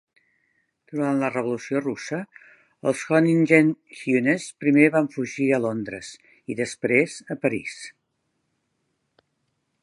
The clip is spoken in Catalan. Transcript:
Durant la revolució russa, els Hoyningen-Huenes primer van fugir a Londres i, després, a París.